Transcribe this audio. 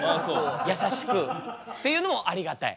優しくっていうのもありがたい。